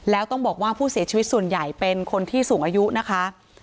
แล้วต้องบอกว่าผู้เสียชีวิตส่วนใหญ่เป็นคนที่สูงอายุนะคะ